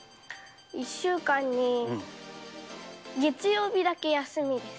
１週間に、月曜日だけ休みです。